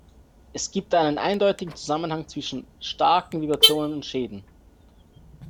Es gibt einen eindeutigen Zusammenhang zwischen starken Vibrationen und Schäden.